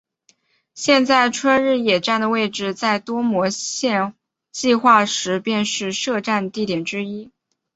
现在春日野站的位置在多摩线计画时便是设站地点之一。